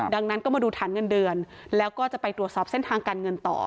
ดังนั้นก็มาดูฐานเงินเดือนแล้วก็จะไปตรวจสอบเส้นทางการเงินต่อ